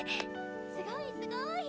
すごいすごい！